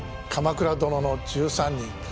「鎌倉殿の１３人」